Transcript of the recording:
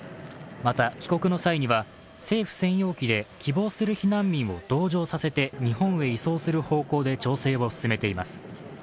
また帰国の際には政府専用機で希望する避難民を同乗させて日本へ移送する方向で調整を進めています。